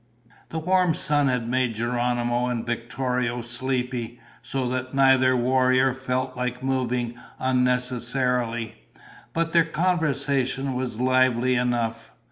The warm sun had made Geronimo and Victorio sleepy, so that neither warrior felt like moving unnecessarily. But their conversation was lively enough.